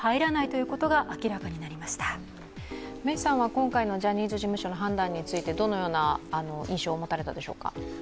今回のジャニーズ事務所の判断についてどのような印象を持たれたでしょうか？